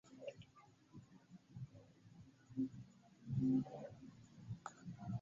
La kutima vortordo estas baze subjekto-komplemento-verbo, sed estas relative libera.